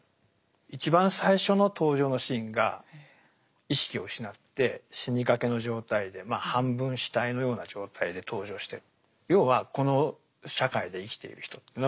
一番最初の登場のシーンが意識を失って死にかけの状態でまあ半分死体のような状態で登場してる。